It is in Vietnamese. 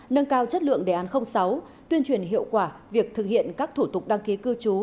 nâng cao chất lượng đề án sáu tuyên truyền hiệu quả việc thực hiện các thủ tục đăng ký cư trú